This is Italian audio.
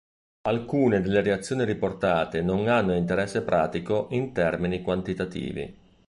Alcune delle reazioni riportate non hanno interesse pratico in termini quantitativi.